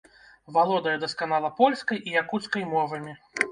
Валодае дасканала польскай і якуцкай мовамі.